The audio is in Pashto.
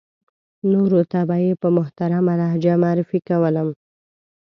نورو ته به یې په محترمه لهجه معرفي کولم.